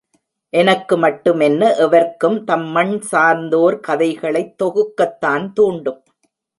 எனக்கு மட்டுமென்ன எவருக்கும் தம் மண் சார்ந்தோர் கதைகளைத் தொகுக்கத் தான் தூண்டும்.